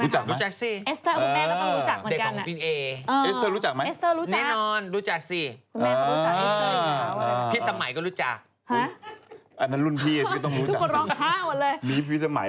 ทุกคนร้อนข้ามหมดเลย